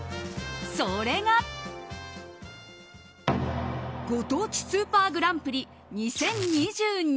それがご当地スーパーグランプリ２０２２。